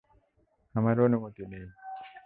আমার অনুমতি নেই।